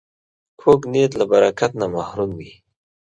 کوږ نیت له برکت نه محروم وي